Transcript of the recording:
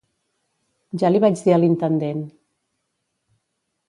Ja li vaig dir a l'intendent.